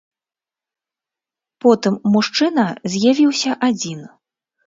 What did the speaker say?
Потым мужчына з'явіўся адзін.